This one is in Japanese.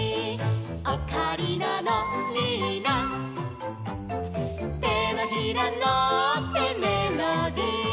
「オカリナのリーナ」「てのひらのってメロディ」